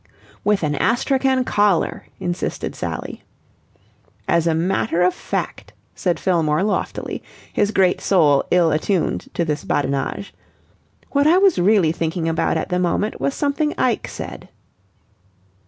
"With an astrakhan collar," insisted Sally. "As a matter of fact," said Fillmore loftily, his great soul ill attuned to this badinage, "what I was really thinking about at the moment was something Ike said."